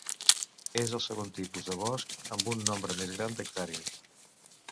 És el segon tipus de bosc amb un nombre més gran d'hectàrees.